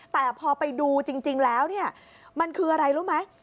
แต่พอไปดูจริงแล้วเนี่ยมันคืออะไรรู้ไหม